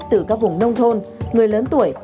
từ các vùng nông thôn người lớn tuổi